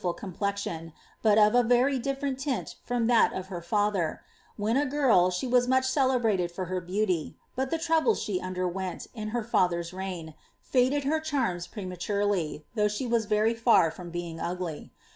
iarly beaniirnl complexion, but of a »Bry difTerenl tint (rom ihal of hfr father; w lien t girl b lie was mucli celebratnl for her beauty, but [be troubles she underwent, in her faiher's rei^, faded her charini prema tiifcly, though dhe was very fer from being ugly.